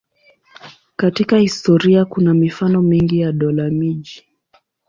Katika historia kuna mifano mingi ya dola-miji.